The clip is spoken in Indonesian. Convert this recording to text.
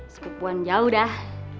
sepupuan jauh dah